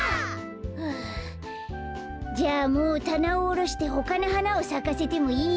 はあじゃあもうたなをおろしてほかのはなをさかせてもいいよね。